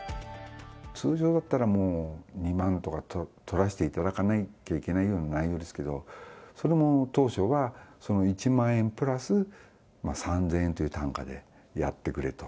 通常だったらもう、２万とかとらしていただかないといけないような内容ですけど、それも当初はその１万円プラス３０００円という単価でやってくれと。